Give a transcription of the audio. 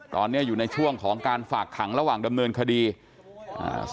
ตอนนี้อยู่ในช่วงของการฝากขังระหว่างดำเนินคดีอ่า